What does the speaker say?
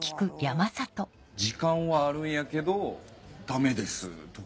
「時間はあるんやけどダメです」とか？